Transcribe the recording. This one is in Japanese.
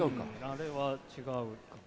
あれは違うかな。